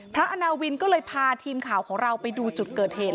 อาณาวินก็เลยพาทีมข่าวของเราไปดูจุดเกิดเหตุ